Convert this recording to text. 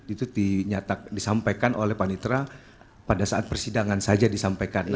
itu disampaikan oleh panitra pada saat persidangan saja disampaikan